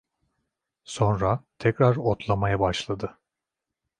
Sonra, tekrar otlamaya başladı.